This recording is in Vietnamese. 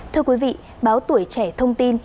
thưa quý vị báo tuổi trẻ thông tin